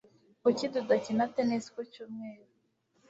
Kuki tudakina tennis ku cyumweru